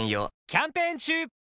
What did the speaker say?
キャンペーン中！